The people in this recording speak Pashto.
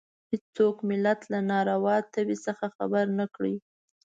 هېڅوک ملت له ناروا تبې څخه خبر نه کړي.